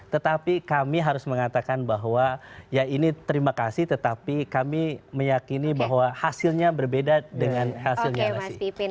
tetapi kami harus mengatakan bahwa ya ini terima kasih tetapi kami meyakini bahwa hasilnya berbeda dengan hasilnya